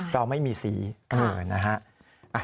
เราไม่มีสีเหมือนนะฮะ